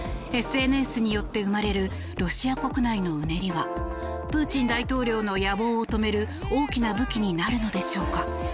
ＳＮＳによって生まれるロシア国内のうねりはプーチン大統領の野望を止める大きな武器になるのでしょうか。